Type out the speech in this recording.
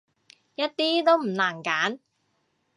一啲都唔難揀